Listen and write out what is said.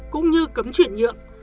cũng như cấm chuyển nhượng